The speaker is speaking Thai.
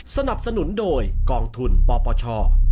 สนับสนุนโดยกองทุนปปช